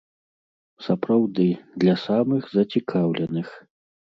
Сапраўды, для самых зацікаўленых.